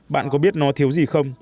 bạn có biết nó thiếu gì không